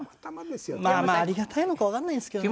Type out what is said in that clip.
まあまあありがたいのかわからないですけどね。